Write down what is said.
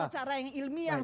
dengan cara cara yang ilmiah